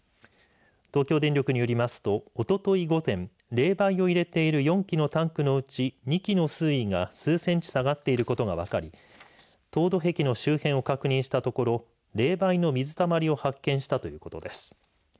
東京電力によりますとおととい午前冷媒を入れている４基のタンクのうち２基の水位が数センチ下がっていることが分かり凍土壁の周辺を確認したところ冷媒の水たまりを発見したということです。